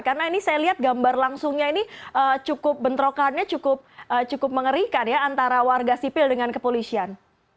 karena ini saya lihat gambar langsungnya ini cukup bentrokannya cukup mengerikan ya antara warga sipil dengan kepolisian